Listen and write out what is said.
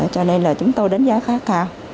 cho nên là chúng tôi đánh giá khá cao